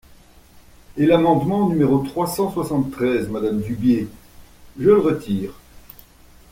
Et l’amendement numéro trois cent soixante-treize, madame Dubié ? Je le retire.